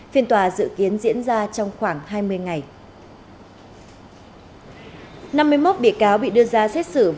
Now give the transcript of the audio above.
phiên tòa dự kiến diễn ra trong khoảng hai mươi ngày